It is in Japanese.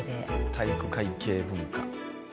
体育会系文化。